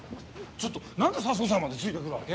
ちょっとなんで佐相さんまでついてくるわけ？